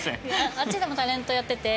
あっちでもタレントやってて。